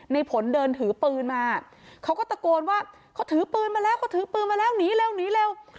ในผลเดินถือปืนมาเขาก็ตะโกนว่าเขาถือปืนมาแล้วเขาถือปืนมาแล้วหนีเร็วหนีเร็ว